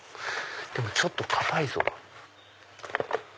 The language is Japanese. でもちょっと硬いぞ。